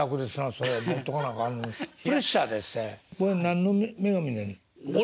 それ何の女神なん。